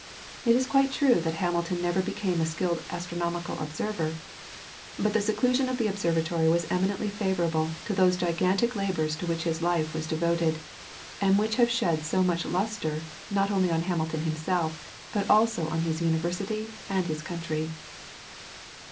It is quite true that Hamilton never became a skilled astronomical observer; but the seclusion of the observatory was eminently favourable to those gigantic labours to which his life was devoted, and which have shed so much lustre, not only on Hamilton himself, but also on his University and his country.